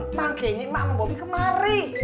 emak ingin emak sama bobby kemari